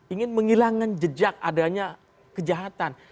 ingin menghilangkan jejak adanya kejahatan